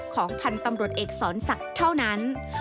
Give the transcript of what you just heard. ของพันธุ์ตำรวจเอกสอนศักดิ์เท่านั้น